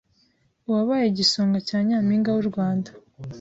uwabaye igisonga cya Nyampinga w’u Rwanda